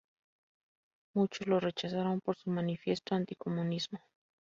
Muchos lo rechazaron por su manifiesto anticomunismo.